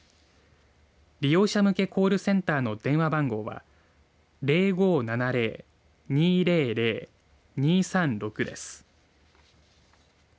利用者向けコールセンターの電話番号は０５７０‐２００‐２３６です。